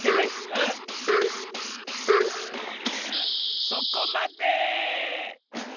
うんそこまで！